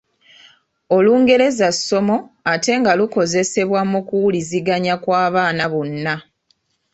Olungereza ssomo ate nga lukozesebwa mu kuwuliziganya kw'abaana bonna.